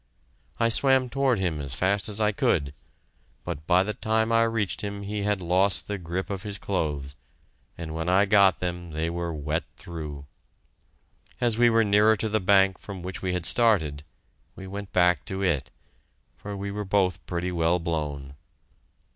I swam toward him as fast as I could, but by the time I reached him he had lost the grip of his clothes, and when I got them they were wet through. As we were nearer to the bank from which he had started, we went back to it, for we were both pretty well blown.